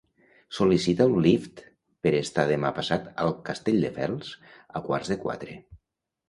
Sol·licita un Lyft per estar demà passat al Castelldefels a quarts de quatre.